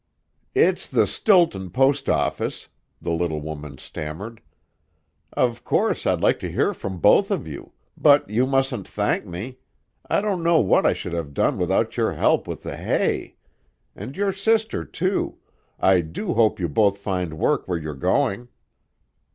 "It's the Stilton post office," the little woman stammered. "Of course, I'd like to hear from both of you, but you mustn't thank me! I don't know what I should have done without your help with the hay! And your sister, too; I do hope you both find work where you're going."